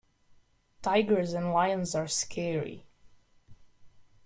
Tigers and lions are scary.